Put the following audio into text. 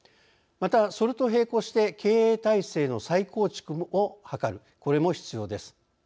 また、それと並行して経営体制の再構築を図るこれも必要です。